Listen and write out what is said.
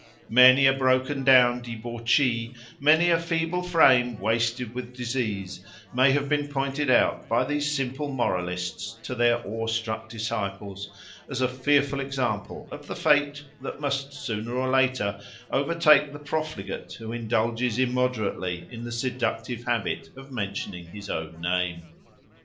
Many a broken down debauchee, many a feeble frame wasted with disease, may have been pointed out by these simple moralists to their awe struck disciples as a fearful example of the fate that must sooner or later overtake the profligate who indulges immoderately in the seductive habit of mentioning his own name.